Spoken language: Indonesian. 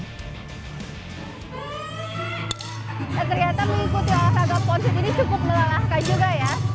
ternyata mengikuti olahraga pound feet ini cukup melalahkan juga ya